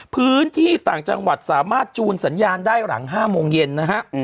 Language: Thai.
พื้นที่ต่างจังหวัดสามารถจูนสัญญาณได้หลัง๕โมงเย็นนะฮะ